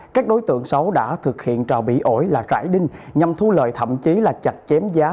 các đối tượng sáu đã thực hiện trò bị ổi là trải đinh nhằm thu lợi thậm chí là chặt chém giá